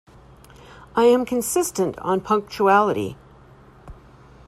I am consistent on punctuality.